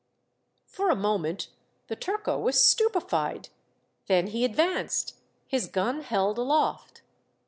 " For a moment the turco was stupefied ; then he advanced, his gun held aloft.